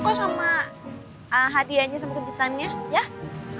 kemudian menget turtle